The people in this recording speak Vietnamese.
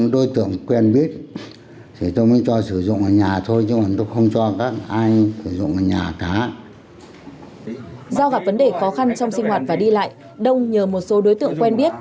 do gặp vấn đề khó khăn trong sinh hoạt và đi lại đông nhờ một số đối tượng quen biết